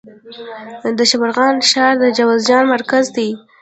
د شبرغان ښار د جوزجان مرکز دی